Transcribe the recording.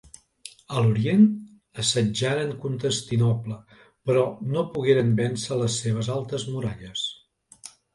A l'Orient, assetjaren Constantinoble, però no pogueren vèncer les seves altes muralles.